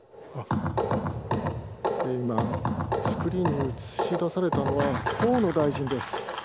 今、スクリーンに映し出されたのは、河野大臣です。